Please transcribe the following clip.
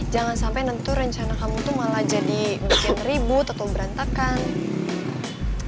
jangan sampai nanti rencana kamu tuh malah jadi bikin ribut atau berantakan